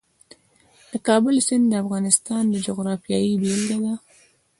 د کابل سیند د افغانستان د جغرافیې بېلګه ده.